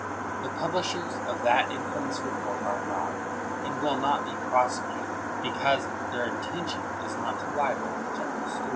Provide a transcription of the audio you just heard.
The publishers of that infamous re port are not, and will not be prosecuted, because their intention is not to libel General Stuart.